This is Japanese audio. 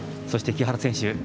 そして、木原選手。